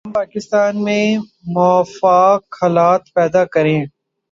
ہم پاکستان میں موافق حالات پیدا کریں